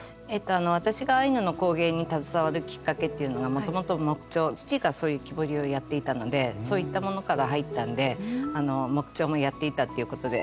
私がアイヌの工芸に携わるきっかけというのがもともと木彫父がそういう木彫りをやっていたのでそういったものから入ったんで木彫もやっていたということで。